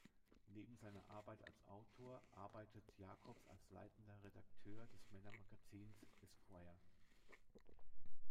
Neben seiner Arbeit als Autor arbeitet Jacobs als leitender Redakteur des Männermagazins "Esquire".